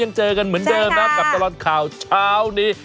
เจอกันเหมือนเดิมนะกับตลอดข่าวเช้านี้